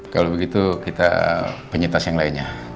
kalau begitu kita penyintas yang lainnya